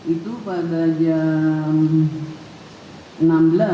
itu pada jam